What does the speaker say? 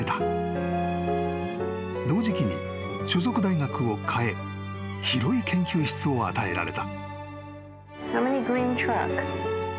［同時期に所属大学を変え広い研究室を与えられた］